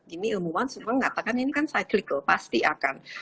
ini ilmuwan semua mengatakan ini kan cyclical pasti akan